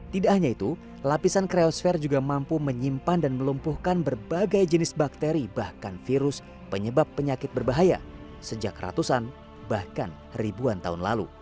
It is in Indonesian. tidak hanya itu lapisan kreosfer juga mampu menyimpan dan melumpuhkan berbagai jenis bakteri bahkan virus penyebab penyakit berbahaya sejak ratusan bahkan ribuan tahun lalu